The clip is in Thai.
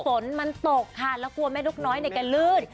ฝนมันตกค่ะแล้วกลัวแม่นกน้อยเนี่ยแกลื่น